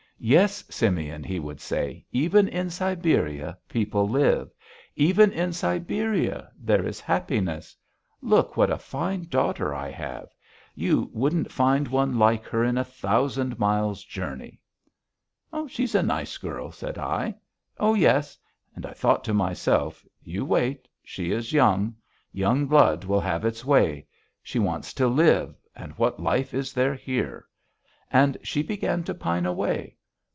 'Yes, Simeon,' he would say. 'Even in Siberia people live. Even in Siberia there is happiness. Look what a fine daughter I have. You wouldn't find one like her in a thousand miles' journey.' 'She's a nice girl,' said I. 'Oh, yes.' ... And I thought to myself: 'You wait.... She is young. Young blood will have its way; she wants to live and what life is there here?' And she began to pine away....